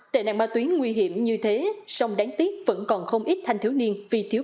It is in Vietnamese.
tệ nạn ma túy nguy hiểm như thế song đáng tiếc vẫn còn không ít thanh thiếu niên vì thiếu